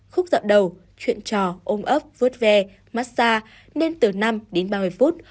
khúc dạo đầu chuyện trò ôm ấp vớt ve mát xa nên từ năm đến ba mươi phút